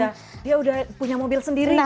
dia udah punya mobil sendiri gitu ya